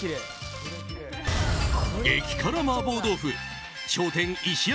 激辛麻婆豆腐頂点石焼